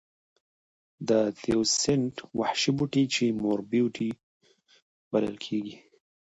د تیوسینټ وحشي بوټی چې مور بوټی بلل کېږي.